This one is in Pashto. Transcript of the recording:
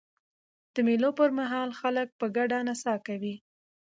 د مېلو پر مهال خلک په ګډه نڅا کوي.